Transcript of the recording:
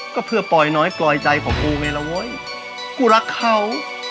ก็เพื่อปลอยน้อยกลอยใจของกูไงล่ะเว้ยกูรักเขา